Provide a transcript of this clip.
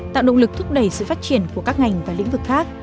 tạo động lực thúc đẩy sự phát triển của các ngành và lĩnh vực khác